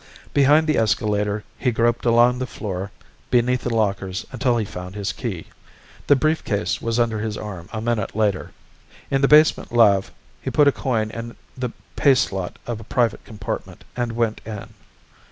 Behind the escalator he groped along the floor beneath the lockers until he found his key. The briefcase was under his arm a minute later. In the basement lave he put a coin in the pay slot of a private compartment and went in.